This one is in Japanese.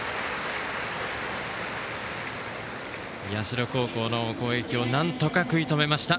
社高校の攻撃をなんとか食い止めました。